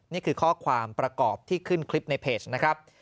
นี่คือข้อความประกอบที่ขึ้นคลิปในเพจนะครับ